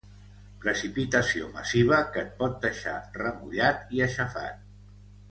Precipitació massiva que et pot deixar remullat i aixafat.